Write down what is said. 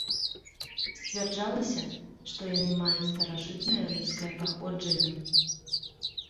Сцвярджалася, што яны маюць старажытнае рымскае паходжанне.